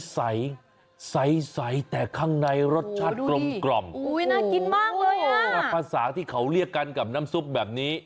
ใสใสแต่ข้างในรสชาติกลมกล่อมอุ้ยน่ากินมากเลยอ่ะภาษาที่เขาเรียกกันกับน้ำซุปแบบนี้